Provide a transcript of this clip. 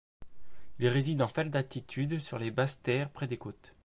Il réside en faible altitude sur les basses terres et près des cotes.